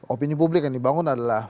opini publik yang dibangun adalah